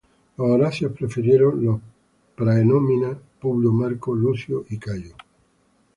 Los Horacios prefirieron los "praenomina" Publio, Marco, Lucio y Cayo.